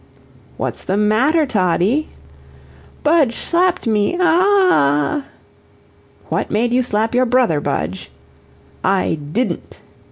"What's the matter, Toddie?" "Budge s'apped me ah h h h!" "What made you slap your brother, Budge?" "I DIDN'T."